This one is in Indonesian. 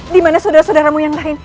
dimana saudara saudaramu yang lain